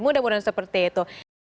mudah mudahan seperti itu